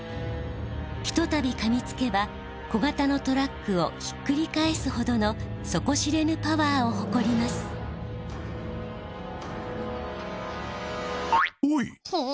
ひとたびかみつけば小型のトラックを引っくり返すほどの底知れぬパワーをほこりますほい。